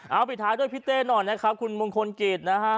เอาปิดท้ายด้วยพี่เต้หน่อยนะครับคุณมงคลกิจนะฮะ